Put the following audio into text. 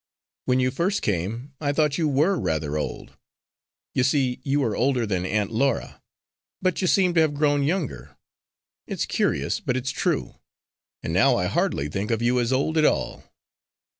"When you first came I thought you were rather old you see, you are older than Aunt Laura; but you seem to have grown younger it's curious, but it's true and now I hardly think of you as old at all."